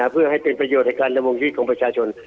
เพื่อให้เป็นประโยชน์ในการดำรงชีวิตของประชาชน